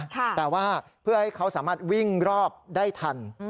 แต่ว่าเพื่อให้เขาสามารถวิ่งรอบได้ทัน